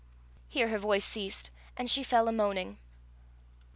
Here her voice ceased, and she fell a moaning.